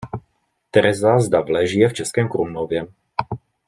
Tereza z Davle žije v Českém Krumlově.